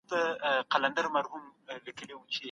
د سیند په غاړه احتیاط وکړئ.